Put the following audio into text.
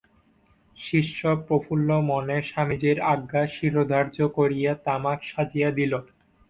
শিষ্য প্রফুল্লমনে স্বামীজীর আজ্ঞা শিরোধার্য করিয়া তামাক সাজিয়া দিল।